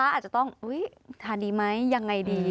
อาจจะต้องทานดีไหมยังไงดี